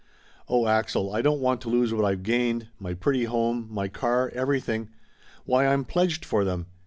Oh, Axel, I don't want to lose what I've gained my pretty home, my car, everything! Why, I'm pledged for them